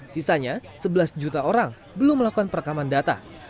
sisanya sebelas juta orang belum melakukan perekaman data